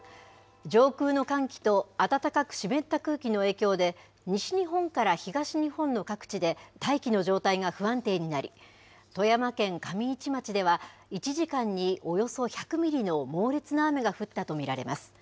上空の寒気と暖かく湿った空気の影響で、西日本から東日本の各地で、大気の状態が不安定になり、富山県上市町では、１時間におよそ１００ミリの猛烈な雨が降ったと見られます。